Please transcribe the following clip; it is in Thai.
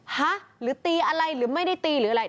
ฮะหรือตีอะไรหรือไม่ได้ตีหรืออะไร